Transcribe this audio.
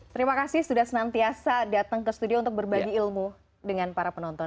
terima kasih sudah senantiasa datang ke studio untuk berbagi ilmu dengan para penonton